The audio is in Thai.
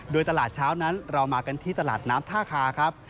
โดยตลาดเช้านั้นเรามากันที่ตลาดน้ำท่าคาครับ